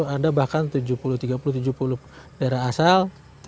ada bahkan tujuh puluh tiga puluh tujuh puluh daerah asal